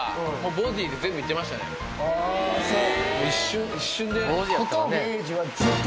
あぁそう。